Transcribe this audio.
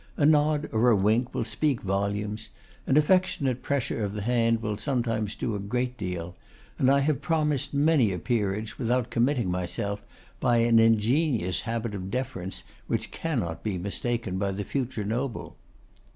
'A nod or a wink will speak volumes. An affectionate pressure of the hand will sometimes do a great deal; and I have promised many a peerage without committing myself, by an ingenious habit of deference which cannot be mistaken by the future noble.